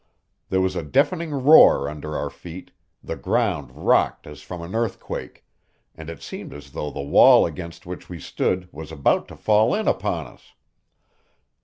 There was a deafening roar under our feet, the ground rocked as from an earthquake, and it seemed as though the wall against which we stood was about to fall in upon us.